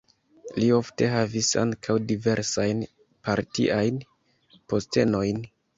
Li ofte havis ankaŭ diversajn partiajn postenojn.